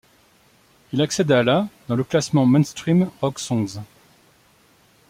Il accède à la dans le classement Mainstream Rock Songs.